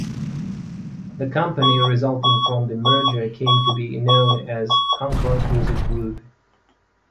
The company resulting from the merger came to be known as Concord Music Group.